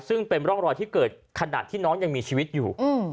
ซึ่งเป็นร่องรอยที่เกิดขณะที่น้องยังมีชีวิตอยู่